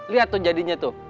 lihat tuh jadinya tuh